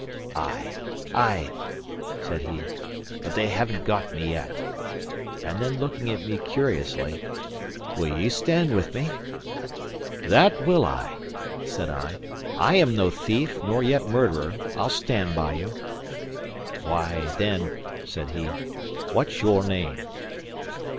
"Ay, ay," said he; "but they have n't got me yet." And then looking at me curiously, "Will ye stand with me?" "That will I!" said I. "I am no thief, nor yet murderer. I'll stand by you." "Why, then," said he, "what's your name?"